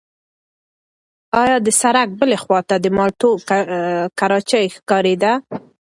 ایا د سړک بلې خوا ته د مالټو کراچۍ ښکارېده؟